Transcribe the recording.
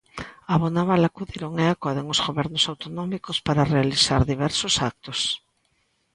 A Bonaval acudiron e acoden os gobernos autonómicos para realizar diversos actos.